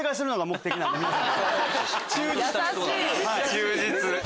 忠実。